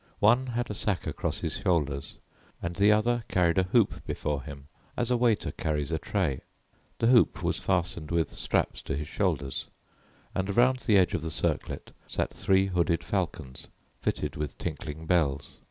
One had a sack across his shoulders and the other carried a hoop before him as a waiter carries a tray. The hoop was fastened with straps to his shoulders, and around the edge of the circlet sat three hooded falcons fitted with tinkling bells.